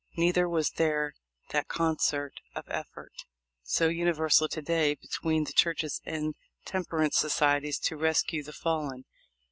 Neither was there that concert of effort so universal to day between the churches and temperance societies to rescue the fallen.